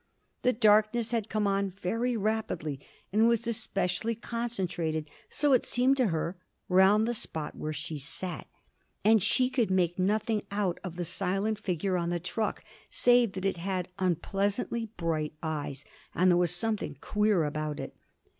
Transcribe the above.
The darkness had come on very rapidly, and was especially concentrated, so it seemed to her, round the spot where she sat, and she could make nothing out of the silent figure on the truck, save that it had unpleasantly bright eyes and there was something queer about it.